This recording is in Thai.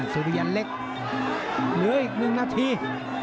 สุริยันเล็กเหลืออีก๑นาที